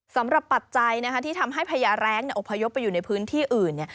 สำหรับปัจจัยที่ทำให้พญาแร้งอพยพไปอยู่ในพื้นที่อื่น